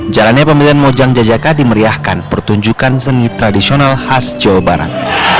jalannya pembelian mojang jajaka dimeriahkan pertunjukan seni tradisional khas jawa barat